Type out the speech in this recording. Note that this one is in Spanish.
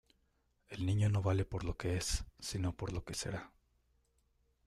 El niño no vale por lo que es sino por lo que será.